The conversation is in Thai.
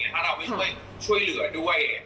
ถ้าเราไม่ช่วยเหลือด้วย